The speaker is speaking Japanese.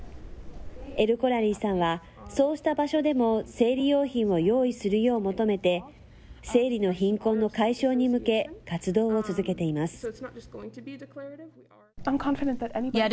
エルコラリーさんはそうした場所でも生理用品を用意するよう求めて、生理の貧困の解消に向け、活動を続けています。